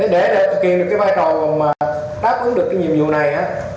để thực hiện được cái vai trò mà tác ứng được cái nhiệm vụ này